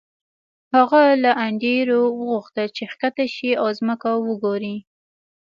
هغه له انډریو وغوښتل چې ښکته شي او ځمکه وګوري